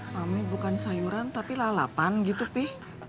pami bukan sayuran tapi lalapan gitu pi